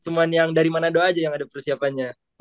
cuma yang dari manado aja yang ada persiapannya